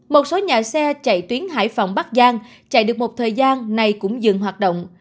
một số nhà xe chạy tuyến hải phòng bắc giang chạy được một thời gian này cũng dừng hoạt động